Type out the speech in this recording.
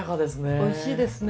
おいしいですね。